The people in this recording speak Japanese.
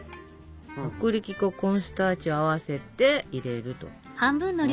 薄力粉コーンスターチを合わせて入れると。